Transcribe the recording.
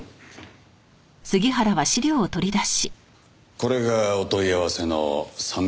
これがお問い合わせの鮫島博文。